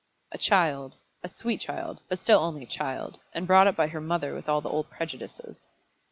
"A child a sweet child but still only a child; and brought up by her mother with all the old prejudices."